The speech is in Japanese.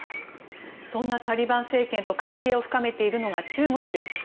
そんなタリバン政権と関係を深めているのが中国です。